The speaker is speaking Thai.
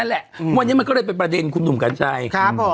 แหละวันนี้มันก็เลยเป็นประเด็นคุณหนุ่มกัญชัยครับผม